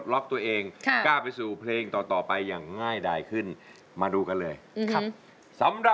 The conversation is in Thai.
ลองได้ลองได้ลองได้ลองได้ลองได้